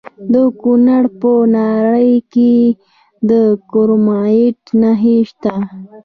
د کونړ په ناړۍ کې د کرومایټ نښې شته.